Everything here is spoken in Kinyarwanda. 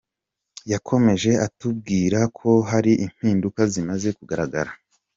Yakomeje atubwira ko hari impinduka zimaze kugaragara.